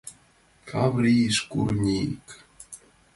Каври — шкурник!